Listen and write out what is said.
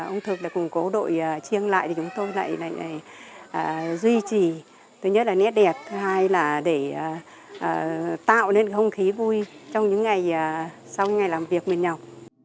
ông thực để củng cố đội chiêng lại thì chúng tôi lại duy trì thứ nhất là nét đẹp thứ hai là để tạo nên không khí vui trong những ngày sau ngày làm việc mình nhọc